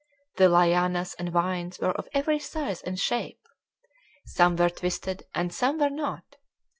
The lianas and vines were of every size and shape. Some were twisted and some were not.